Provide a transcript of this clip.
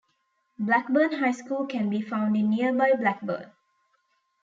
Blackburn High School can be found in nearby Blackburn.